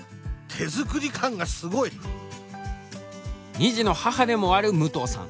２児の母でもある武藤さん。